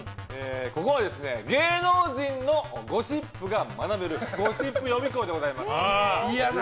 ここは芸能人のゴシップが学べるゴシップ予備校でございます。